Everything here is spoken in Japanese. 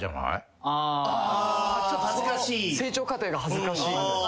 そこの成長過程が恥ずかしいみたいな。